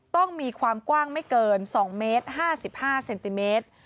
ต้องมีความกว้างไม่เกิน๒เมตร๕๕เซนติเมตร